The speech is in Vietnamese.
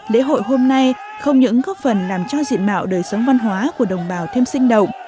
lễ hội hôm nay không những góp phần làm cho diện mạo đời sống văn hóa của đồng bào thêm sinh động